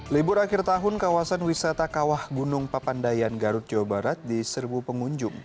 libur akhir tahun kawasan wisata kawah gunung papandayan garut jawa barat diserbu pengunjung